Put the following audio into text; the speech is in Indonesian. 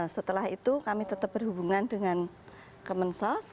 setelah itu kami tetap berhubungan dengan kemensos